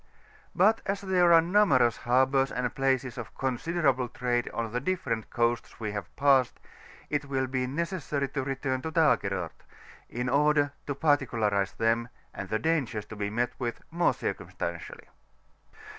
But as there are numerous harbours and places of considerable trade on the different coasts we have passed, it will be necessary to return to Dagerort, in order to particu larize them, and the dangers to be met with, more circumstantially.